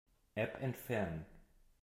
App entfernen.